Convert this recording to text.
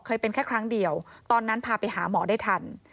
เป็นแค่ครั้งเดียวตอนนั้นพาไปหาหมอได้ทัน